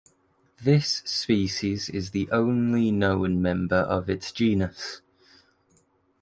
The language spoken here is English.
This species is the only known member of its genus.